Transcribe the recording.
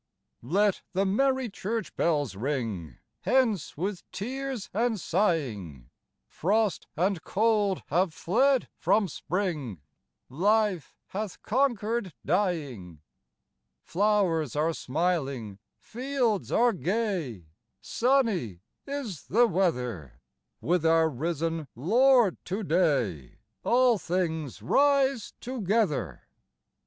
Let the merry church bells ring : Hence with tears and sighing : Frost and cold have fled from spring ; Life hath conquered dying ; Flowers are smiling, fields are gay, Sunny is the weather : With our risen Lord to day All things rise together.